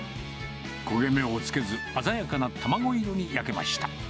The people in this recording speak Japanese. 焦げ目をつけず、鮮やかな卵色に焼きました。